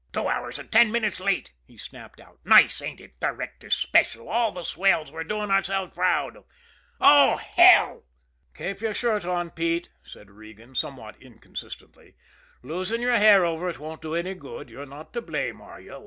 "Two hours and ten minutes late!" he snapped out. "Nice, ain't it! Directors' Special, all the swells, we're doing ourselves proud! Oh, hell!" "Keep your shirt on, Pete," said Regan, somewhat inconsistently. "Losing your hair over it won't do any good. You're not to blame, are you?